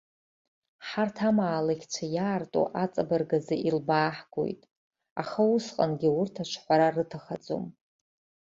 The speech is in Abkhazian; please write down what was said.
Ҳарҭ амаалықьцәа иаарҭу аҵабырг азы илбааҳгоит, аха усҟангьы урҭ аҽҳәара рыҭахаӡом.